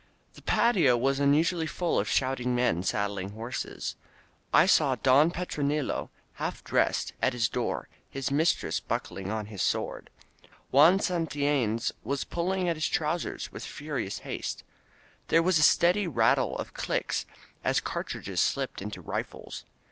The patio was unusually full of shouting men sad dling horses. I saw Don Petronilo, half dressed, at his door, his mistress buckling on his sword. Juan San tiUanes was pulling at his trousers with furious haste. There was a steady rattle of clicks as cartridges slipped into rifles.